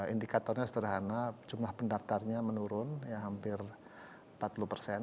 indikatornya sederhana jumlah pendaftarnya menurun hampir empat puluh persen